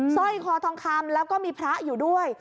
สร้อยคอทองคำแล้วก็มีพระอยู่ด้วย